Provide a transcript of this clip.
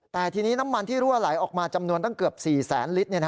แต่ทีนี้น้ำมันที่รั่วไหลออกมาจำนวนตั้งเกือบ๔แสนลิตร